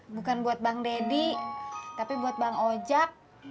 bukan buat bang deddy tapi buat bang ojek